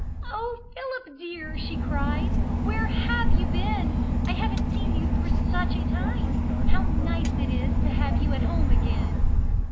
"Oh, Philip dear!" she cried. "Where have you been? I haven't seen you for such a time! How nice it is to have you at home again!"